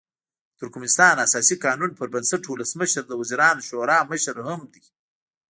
د ترکمنستان اساسي قانون پر بنسټ ولسمشر د وزیرانو شورا مشر هم دی.